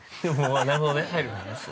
◆なるほどね、入るならね。